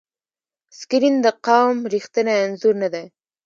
سکرین د قوم ریښتینی انځور نه دی.